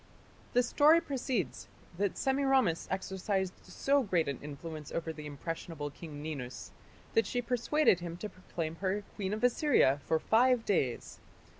The story proceeds that Semiramis exercised so great an influence over the impressionable King Ninus, that she persuaded him to proclaim her Queen of Assyria for five days.